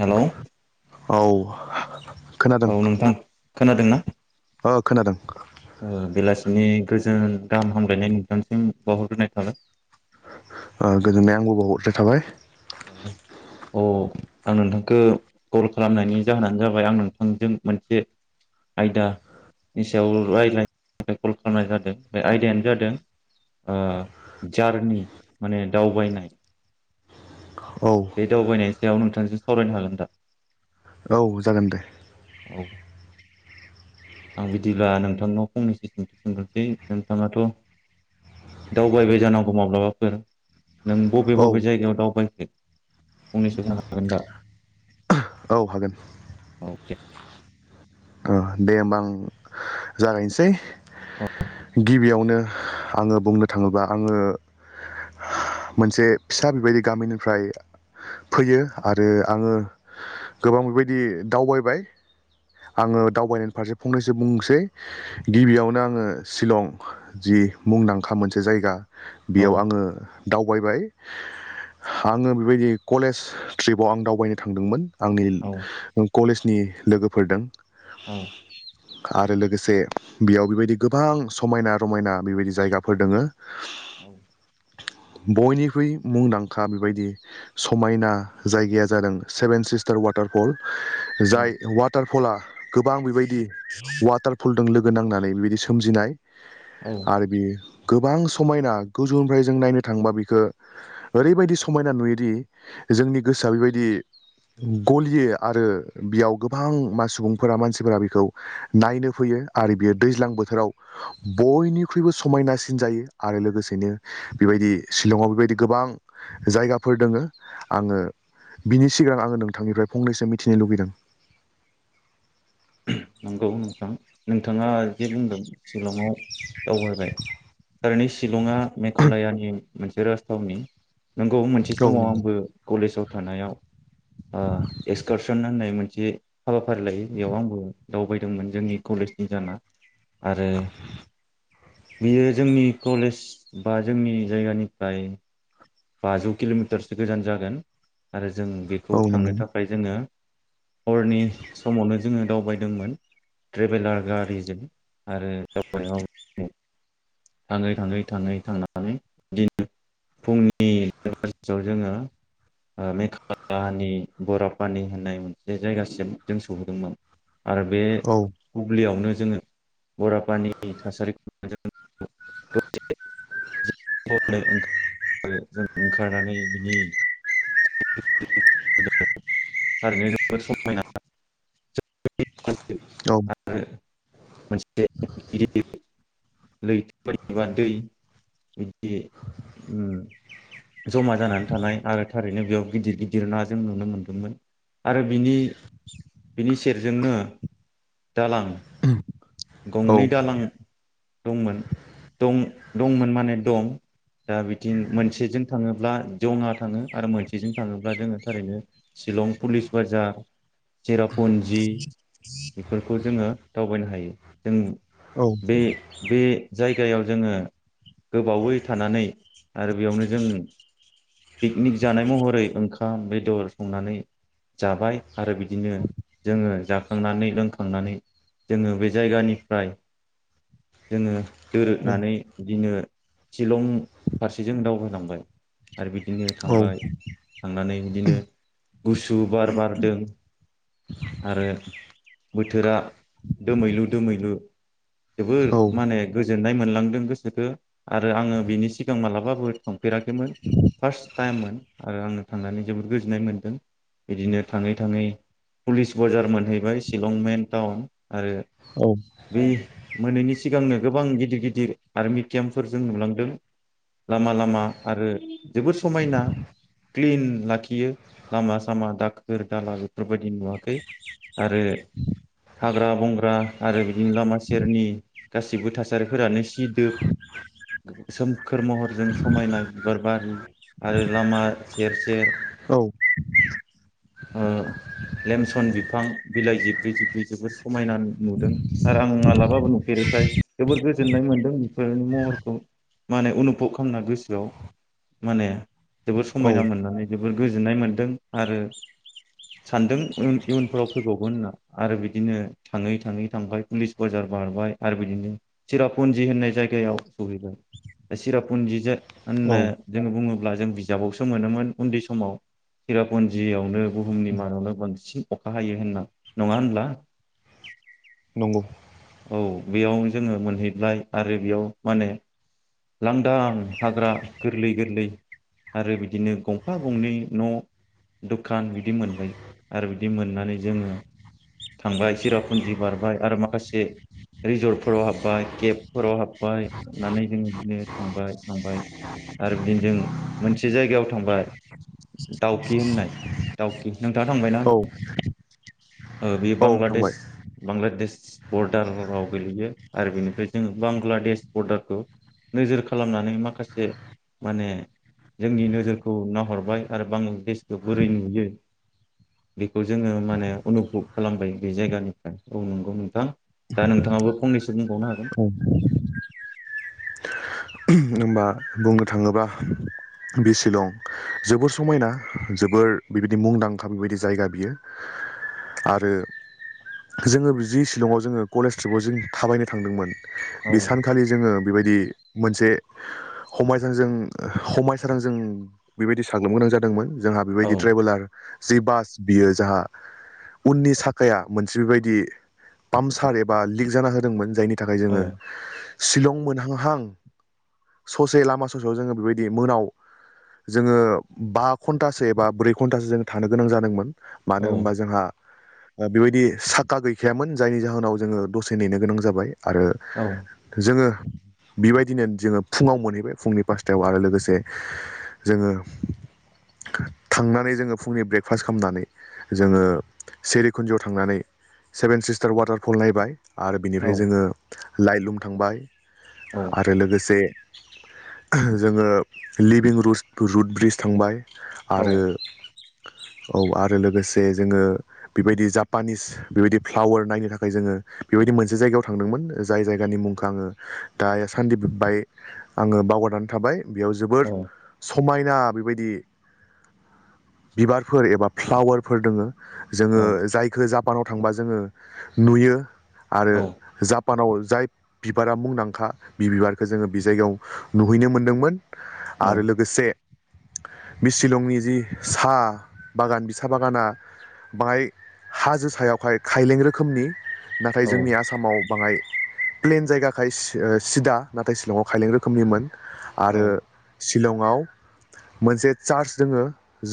Hello औ खोनादों औ नोंथां खोनादोंना ओ खोनादों ओ बेलासिनि गोजोन गाहाम हामलायनाय नोंथांसिम बावहरनाय थाबाय । ओ गोजोननाय आंबो बावहरनाय थाबाय अ आं नोंथांखो कल खालामनायनि जाहोनानो जाबाय आं नोंथांजों मोनसे आयदानि सायाव रायज्लायनो थाखाय कल खालामनाय जादों बे आयदायानो जादों जारनि माने दावबायनाय । औ बे दावबायनाय सायाव नोंथांजों सावरायनो हागोन दा औ जागोन दे । औ आं बिदिब्ला नोंथांनाव फंनैसो सोंथि सोंग्रोसै नोंथाङाथ' दावबायबाय जानांगौ माब्लाबाफोर । नों बबे औ बबे जायगायाव दावबायखो फंनैसो बुंनो हागोन दा । औ हागोन [inaudible] ओ दे होमबा आं जागायनोसै औ गिबियावनो आङो बुंनो थाङोब्ला आङो मोनसे फिसा बिबायदि गामिनिफ्राय फैयो आरो आङो गोबां बिबायदि दावबायबाय आङो दावबायनायनि फारसे फंनैसो बुंसै गिबियावनो आङो शिलं जि मुंदांखा मोनसे जायगा औ बेयाव आङो दाउ बायबाय आङो बिबायदि कलेज ट्रिपाव आं दावबायनो थांदोंमोन आंनिल औ ओ कलेजनि लोगोफोरदों औ आरो लोगोसे बियाव बिबायदि गोबां समायना रमायना बेबायदि जायगाफोर दोङो औ बयनिख्रुइ मुंदांखा बिबायदि समायना जायगाया जादों सेभेन सिस्टार वाटारफल औ जाय वाटार फला गोबां बेबायदि वाटारफलदों लोगो नांनानै बेबायदि सोमजिनाय औ आरो बियो गोबां समायना गोजौफ्राय जों नायनो थाङोबा बिखो ओरैबायदि समायना नुयोदि जोंनि गोसोआ बिबायदि गलियो आरो बेयाव गोबां मा सुबुं फोरा मानसिफोरा बिखौ नायनो फैयो आरो बियो दैज्लां बोथोराव बयनिख्रुइबो समायनासिन जायो आरो लोगोसेनो बेबायदि शिलंआव बेबायदि गोबां जायगाफोर दोङो आङो बिनि सिगां आङो नोंथांनिफ्राय फंनैसो मिथिनो लुगैदों । नोंगौ नोंथां नों थाङा जे बुंदों शिलंआव दावबायबाय थारैनो शिलंआ मेघालयानि मोनसे राजथावनि नंगौ मोनसे औ समाव नंगौ आंबो कलेजाव थानायाव एक्सकारसन होननाय मोनसे ज हाबाफारि लायो बेयाव आंबो दावबायदोंमोन जोंनि कलेजनि जाना आरो बियो जोंनि कलेज बा जोंनि जायगानिफ्राय बाजौ किल'मिटारसो गोजान जागोन आरो जों बेखौ औ थांनो नंगौ थाखाय जोङो हरनि समावनो जोङो दावबायदोंमोन ट्रेभेलार गारिजों आरो दाव थाङै थाङै थाङै थांनानै बिदिनो फुंनि देर बाजिआव जोङो ओ मेघलानि बराफानि होननाय मोनसे जायगासिम जों सहैदोंमोन। आरो बे औ बुब्लियावनो जोङो बराफानि थासारिखौ ज ओंखार आरो जों ओंखारनानै बिनि थारैनो जो समायना [unintelligible] मोनसे [unintelligible] लैथो बबा दै बिदि जमा ओम जानानै थानाय आरो थारैनो बेयाव गिदिर गिदिर नाजों नुनो मोन्दोंमोन आरो बिनि बिनि सेरजोंनो दालां गंनै दालां दंमोन दं दंमोन माने दं दा बिथिं मोनसेजों थाङोब्ला जङा थाङो आरो मोनसेजों थाङोब्ला जोङो थारैनो शिलं पुलिस बाजार सेरापन्जि बेफोरखौ जोङो दावबायनो हायो। जों औ बे बे जायग जायगायाव जोङो गोबावै थानानै आरो बेयावनो जों पिकनिक जानाय महरै ओंखाम बेदर संनानै जाबाय आरो बिदिनो जोङो जाखांनानै लोंखांनानै जोङो बे जायगानिफ्राय जोङो दोरोदनानै बिदिनो शिलं फारसे जों दावबायालांबाय आरो बिदिनो औ थांबाय थांनानै बिदिनो गुसु बार बारदों। आरो बोथोरा दोमैलु दोमैलु जोबोर माने गोजोननाय मोनलांदों गोसोखो आरो आङो बिनि सिगां मालाबाबो थांफेराखैमोन फार्स्ट टाइममोन आरो आङो थांनानै जोबोर गोजोननाय मोन्दों बिदिनो थाङै थाङै पुलिस बाजार मोनहैबाय शिलं मेन टाउन आरो बे मोनैनि सिगांनो गोबां गिदिर गिदिर आर्मि केम्पफोर जों नुलांदों लामा लामा आरो जोबोद समायना क्लिन लाखियो लामा सामा दाखोर दाला बेफोरबायदि नुवाखै आरो हाग्रा बंग्रा आरो बिदिनो लामा सेरनि गासिबो थासारिफोरानो सिदोब सोमखोर महरजों समायना बिबार बारि आरो लामा सेर सेर औ लेमसन बिफां बिलाइ जिबब्रै जिबब्रै जोबोर समायना नुदों आरो आं मालाबाबो नुफेरैखाय जोबोर गोजोननाय मोनदों बेफोर महरखौ माने अनुभब खालामना गोसोआव माने जोबोर औ समायना मोननानै जोबोर गोजोननाय मोनदों आरो सानदों इयुनफ्राव फैबावगोन होनना आरो बिदिनो थाङै थाङै थांबाय पुलिस बाजार बारबाय आरो बिदिनो सिरापुजि होननाय जायगायाव सहैबाय दा सिरापुन्जिजों औ होनना जोङो बुङोब अब्ला जों बिजाबावसो मोनोमोन उन्दै समाव सिरापन्जियावनो बुहुमनि मादाव बांसिन अखा हायो होनना नङा होनब्ला नंगौ औ बेयाव जोङो मोनहैबाय आरो बेयाव माने लांदां हाग्रा गोरलै गोरलै आरो बिदिनो गंफा गंनै न' दखान बिदि मोनबाय आरो बिदि मोननानै जोङो थांबाय चिरापुन्जि बारबाय आरो माखासे रिजर्टफोराव हाबबाय केबफोराव हाबबाय हाबनानै जों बिदिनो थांबाय थांबाय आरो बिदिनो जों मोनसे जायगायाव थांबाय दाउकि होननाय दाउकि नोंथाङा थांबायना औ बे ओ बे औ बांलादेश थांबाय बांलादेश बरडाराव गोेलैयो आरो बेनिफ्राय जोङो बांगलादेश बरदारखौ नोजोर खालामनानै माखासे माने जोंनि नोजोरखौ नाहरबाय आरो बांलादेशखो बोरै नुयो बेखौ जोङो माने अनुभब खालामबाय बे जायगानिफ्राय औ नंगौ नोंथां दा नोंथांङाबो फंनैसो बुंबावनो हागोन [unintelligible] होमबा बुंनो थाङोबा बे शिलं जोबोर समायना जोबोर बेबायदि मुंदांखा बेबायदि जायगा बियो आरो जोंङो जि शिलंआव जोङो कलेज ट्रिपाव जों थाबायनो थांदोंमोन औ बे सानखालि जोंङो बेबायदि मोनसे खमायजोजों ओह खमायसारजों बेबायदि साग्लोबनो गोनां जादोंमोन जोंहा औ बेबायदि ट्रेभेलार जि बास बियो जाहा उननि साखाया मोनसे बेबायदि पामचार एबा लिक जाना होदोंमोन जायनि थाखाय जोंङो शिलं मोनहांहां ससे लामा ससेयाव जोंङो बेबायदि मोनाव जोंङो बा घन्टासो एबा ब्रै घन्टासो जोंङो थानो गोनां जादोंमोन मानो औ होमबा जोंहा ओ बेबायदि साका गैखायामोन जायनि जाहोनाव जोंङो दसे नेनो गोनां जाबाय । आरो औ जोंङो बिबाय दिनो जोंङो फुंङाव मोनहैबाय फुंनि पासतायाव आरो लोगोसे जोंङो थांनानै जोंङो फुंनि ब्रेकफास्ट खामनानै जोंङो सेरिखुन्जियाव थांनानै सेभेन सिस्टार वाटारफल नायबाय आरो बिनिफ्राय जोंङो लाइ लुम थांबाय औ आरो लोगोसे जोंङो लिबिं रुस रुड ब्रिज थांबाय औ आरो औ आरो लोगोसे जोंङो बेबायदि जापानिस बेबायदि फ्लावार नायनो थाखाय जोंङो बेबायदि मोनसे जायगायाव थांदोंमोन जाय जायगानि मुंखो आंङो दा एस [unintelligible] बाय आंङो बावगारनानै थाबाय । बेयाव जोबोर औ सफ समायना बेबायदि बिबारफोर एबा फ्लावारफोर दोंङो जोंङो औ जायखो जाप पानाव थांबा जोंङो नुयो आरो जाप पानाव जाय बिबारा मुंदांखा बि बिबारखो जोंङो बे जायगायाव नुहैनो मोनदोंमोन औ आरो लोगोसे बे शिलंनि जि साह बागान बि सा बागाना बाहाय हाजो सायावहाय खायलें रोखोमनि नाथाय औ जोंनि आसामाव बाङाय प्लेन जायगाखाय सि ओ सिदा नाथाय शिलंआव खायलें रोखोमनिमोन औ आरो सि शिलंआव मोनसे चार्च दोंङो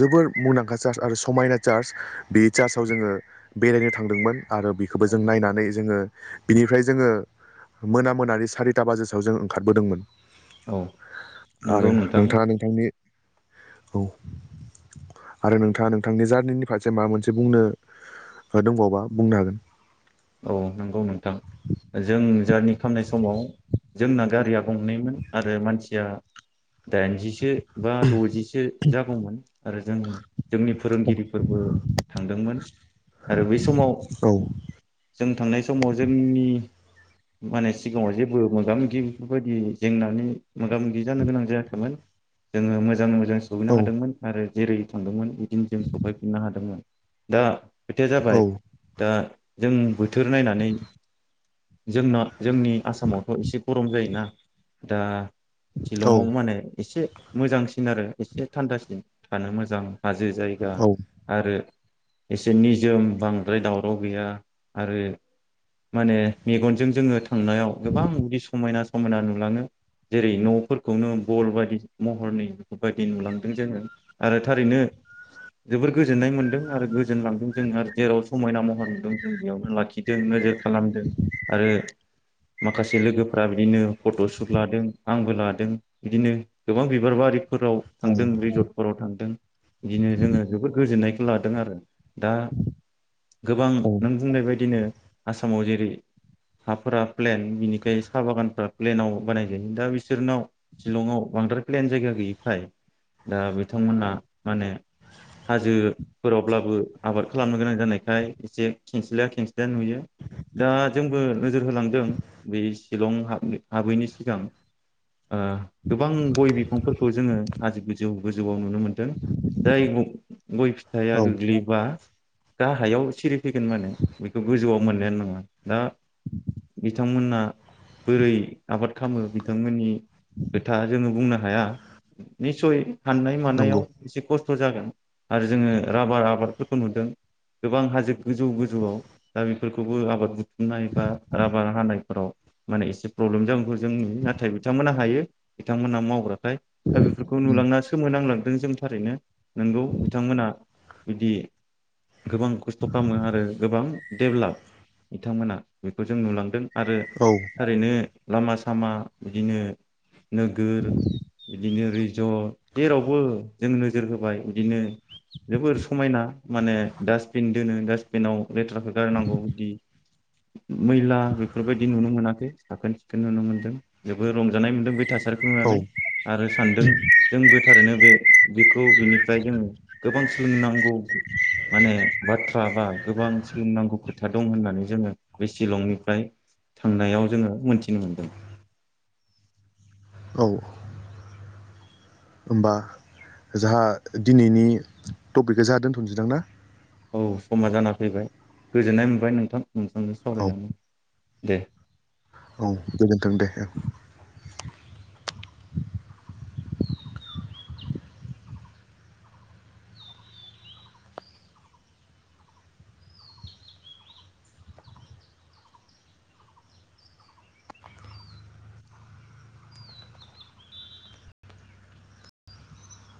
जोबोर मुंदांखा चार्च आरो समायना चार्च बे चार्चआव जोंङो बेरायनो थांदोंमोन । आरो बेखौबो जों नायनानै जोंङो बिनिफ्राय जोंङो मोना मोनानि सारि था बाजिसोआव जों ओंखारबोदोंमोन औ औ । नंगौ आरो नोंथां नोंथाङा नोंथांनि औ आरो नोंथाङा नोंथांनि जारनिनि फारसे माबा मोनसे बुंनो दंबावोबा बुंनो हागोन। औ नंगौ नोंथां जों जारनि खालामनाय समाव जोंना गारिया गंनैमोन आरो मानसिया दाइनजिसो बा द'जिसो जागौमोन आरो जों जोंनि फोरोंगिरिफोरबो थांदोंमोन आरो बै समाव औ जों थांनाय समाव जोंनि माने सिगाङाव जेबो मोगा- मोगि बेफोरबायदि जेंनानि मोगा मोगि जानो गोनां जायाखैमोन। जोङो मोजां मोजाङै मोजां सहैनो औ हादोंमोन आरो जेरै थांदोंमोन बिदिनो जों सफैफिननो हादोंमोन। दा खोथाया जाबाय औ दा जों बो थोर नायनानै जोंना जोंनि आसामावथ' एसे गरम जायोना दा औ शिलंआव मा होने एसे मोजांसिन आरो एसे थान्दासिन थानो मोजां। हाजो जायगा औ आरो एसे निजोम बांद्राय दावराव गैया आरो माने मेगनजों जोङो थांनायाव गोबां बिदि समायना समायना नुलाङो जेरै न'फोरखौनो बल बायदि महरनि बायदि नुलांदों जोङो आरो थारैनो जोबोर गोजोननाय मोनदों आरो गोजोनलांदों जों आरो जेराव समायना महर नुदों जों बेयावनो लाखिदों नोजोर खालामदों आरो माखासे लोगोफ्रा बिदिनो फट'शुट लादों आंबो लादों बिदिनो गोबां बिबार बारि फोराव औ थांदों रिजर्टफोराव थांदों। बिदिनो जोङो जोबोद गोजोननाय लादों आरो दा गोबां औ नों बुंनाय बायदिनो आसामाव जेरै हाफोरा प्लेन बिनिखाय साहा बागानफोरा प्लेनाव बानाय जायो दा बिसोरनाव शिलंआव बांद्राय प्लेन जायगा गैयिखाय दा बिथांमोना माने हाजोफोरावब्लाबो आबाद खालामनो गोनां जानायखाय एसे खेंसलिाया खेंसलिाया नुयो, दा जोंबो नोजोर होलांदों बे शिलं हाबै हाबैनि सिगां, ओ गोबां गय बिफांफोरखौ जोङो आजो गोजौ गोजौआव नुनो मोन्दों जाय गय फिथाइआ औ गोग्लैबा गाहायाव सिरि फैगोन माने बेखौ गोजौआव मोन नङा दा बिथांमोना बोरै आबाद खालामो बिथांमोननि खोथा जोङो बुंनो हाया निसय हाननाय नंगौ मानायाव एसे खस्थ फोर जागोन आरो जोङो राबार आबादफोरखौ नुदों गोबां हाजो गोजौ गोजौआव दा बेफो फोरखौबो आबाद बु नाय एबा राबार हानायफोराव माने एसे प्रब्लेम जानांगौ जोंनि नाथाय बिथांमोनहा हायो बिथांमोनहा मावग्रा नथाय दा बेफोरखौ नुलांना सोमोनांलां [unintelligible] थारैनो । नोंंगौ बिथांमोना बिदि गोबां खुस खालामो आरो गोबां डेभलाप बिथांमोना बेखौ जों नुलांदों । आरो औ ओरैनो लामा सामा बिदिनो नोगोर बिदिनो रिजर्ट जेरावबो जों नोजोर होबाय बिदिनो जोबोर समायना माने डास्टबिन दोनो डास्टबिनाव लेथ्राखो गारनांगौ बिबदि मैला बेफोरबायदि नुनो मोनाखै साखोन सिखोन नुनो मोनदों जोबोर रंजानाय मोनदों बे थासारिखौ औ नुनानै आरो सानदों जोंबो बे थारैनो बे बेखौ बेनिफ्राय जोंङो गोबां सोलोंनांगौ । मानो? बाथ्रा बा गोबां सोलोंनांगौ खोथा दं होननानै जोङो बे सिलंनिफ्राय थांनायाव जोङो मोनथिनो मोनदों । औ । होमबा जाहा दिनैनि टपिकखौ जाहा दोनथनिसै दांना । औ समा जाना फैबाय गोजोननाय मोनबाय नोंथां नोंथांजों औ सावरायनानै दे । औ गोजोन्थों दे ओं ।